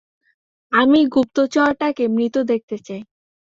আমি গুপ্তচরটাকে মৃত দেখতে চাই।